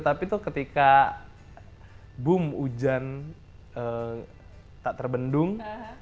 tapi tuh ketika boom hujan tak terbendung